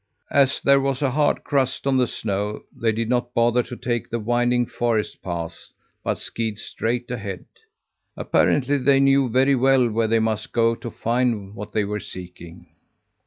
"As there was a hard crust on the snow, they did not bother to take the winding forest paths, but skied straight ahead. Apparently they knew very well where they must go to find what they were seeking.